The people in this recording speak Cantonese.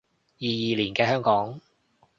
二二年嘅香港